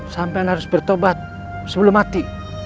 sampai harus bertobat sebelum mati